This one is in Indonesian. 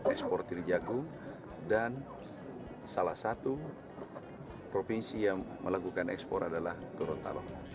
eksportir jagung dan salah satu provinsi yang melakukan ekspor adalah gorontalo